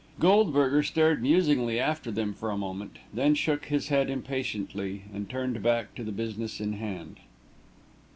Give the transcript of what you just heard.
Goldberger stared musingly after them for a moment, then shook his head impatiently, and turned back to the business in hand.